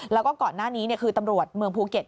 แล้วก็ก่อนหน้านี้คือตำรวจเมืองภูเก็ต